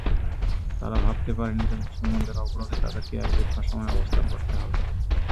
তারা ভাবতে পারেনি যে, মুসলমানদের অবরোধে তাদেরকে এক দীর্ঘ সময় অবস্থান করতে হবে।